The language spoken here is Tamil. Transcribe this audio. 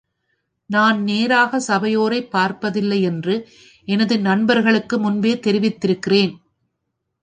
நான் நேராகச் சபையோரைப் பார்ப்பதில்லை என்று எனது நண்பர்களுக்கு முன்பே தெரிவித்திருக்கிறேன்.